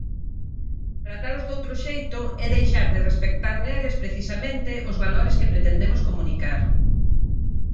Tratalos doutro xeito é deixar de respectar neles, precisamente, os valores que pretendemos comunicar.